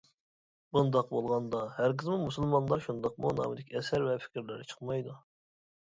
بۇنداق بولغاندا ھەرگىزمۇ «مۇسۇلمانلار شۇنداقمۇ؟ » نامىدىكى ئەسەر ۋە پىكىرلەر چىقمايدۇ.